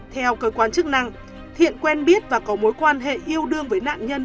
theo cơ quan chức năng thiện quen biết và có mối quan hệ yêu đương với nạn nhân